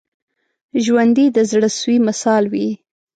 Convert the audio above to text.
ژوندي د زړه سوي مثال وي